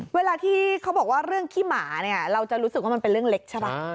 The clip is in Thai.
เวลาที่เขาบอกว่าเรื่องขี้หมาเนี่ยเราจะรู้สึกว่ามันเป็นเรื่องเล็กใช่ป่ะ